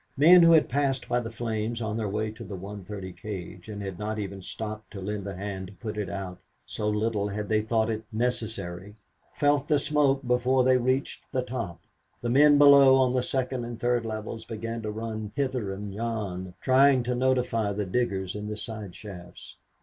Men who had passed by the flames on their way to the 1:30 cage and had not even stopped to lend a hand to put it out, so little had they thought it necessary, felt the smoke before they reached the top. The men below on the second and third levels began to run hither and yon, trying to notify the diggers in the side shafts.